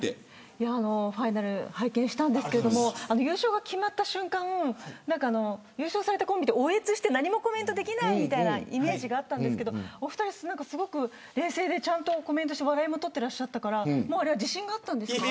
ファイナル、拝見しましたが優勝が決まった瞬間優勝されたコンビは、おえつして何もコメントできないイメージがありましたが、お二人はすごく冷静でちゃんとコメントして笑いも取っていらっしゃったから自信があったんですか。